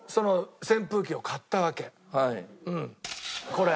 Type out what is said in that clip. これ。